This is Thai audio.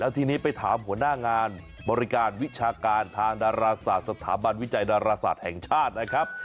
ทีนี้ไปถามหัวหน้างานบริการวิชาการทางดาราศาสตร์สถาบันวิจัยดาราศาสตร์แห่งชาตินะครับ